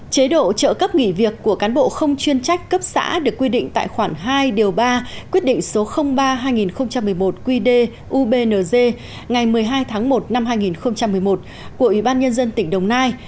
chế độ trợ cấp nghỉ việc của cán bộ không chuyên trách cấp xã được quy định tại khoản hai điều ba quyết định số ba hai nghìn một mươi một qd ubnd ngày một mươi hai tháng một năm hai nghìn một mươi một của ủy ban nhân dân tỉnh đồng nai